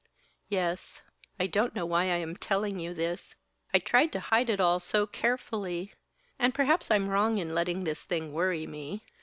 "Yes. I don't know why I am telling you this. I've tried to hide it all so carefully. And perhaps I'm wrong in letting this thing worry me.